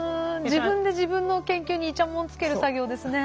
自分で自分の研究にいちゃもんをつける作業ですね。